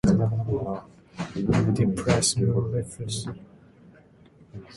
De plasmu'l resultáu, espavoriaos con compromisu talu.